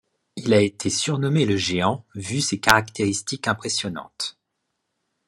Il a été surnommé le géant, vu ses caractéristiques impressionnantes.